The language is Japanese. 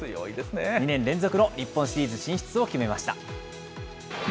２年連続の日本シリーズ進出を決めました。